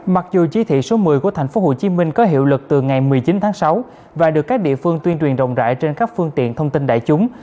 mặc dù chỉ thị số một mươi của tp hcm có hiệu lực từ ngày một mươi chín tháng sáu và được các địa phương tuyên truyền rộng rãi trên các phương tiện thông tin đại chúng